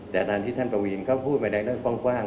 แต่ตอนที่ท่านประวีนเขาพูดไปได้ด้วยกว้าง